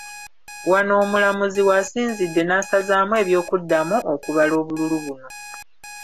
Wano omulamuzi w’asinzidde n’asazaamu eby’okuddamu okubala obululu buno.